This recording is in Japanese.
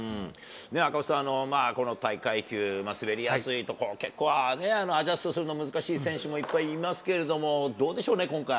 赤星さん、この大会球、滑りやすいとか、アジャストするの難しい選手も、いっぱいいますけれども、どうでしょうね、今回。